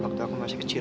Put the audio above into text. waktu aku masih kecil